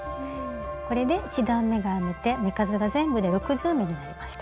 これで１段めが編めて目数が全部で６０目になりました。